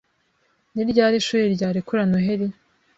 Ni ryari ishuri ryarekura Noheri?